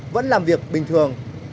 vẫn làm việc bình thường